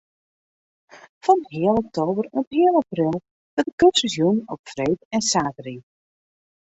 Fan heal oktober oant heal april wurdt de kursus jûn op freed en saterdei.